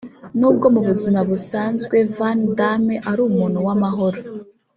n’ubwo mu buzima busanzwe Van Dame ari umntu w’amahoro